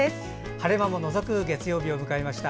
晴れ間ものぞく月曜日を迎えました。